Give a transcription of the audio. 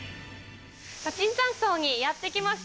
椿山荘にやって来ました。